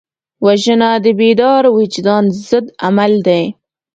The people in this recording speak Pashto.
وژنه د بیدار وجدان ضد عمل دی